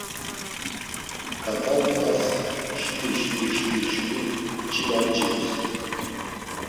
Ǩat̆a ndğas şvi şvi şvi şvi mç̌ima mç̌ims.